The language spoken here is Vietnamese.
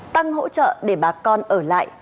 tăng hỗ trợ để bà con ở lại